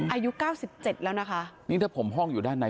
อายุเก้าสิบเจ็ดแล้วนะคะนี่ถ้าผมห้องอยู่ด้านใน